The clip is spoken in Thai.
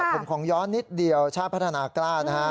ผมขอย้อนนิดเดียวชาติพัฒนากล้านะฮะ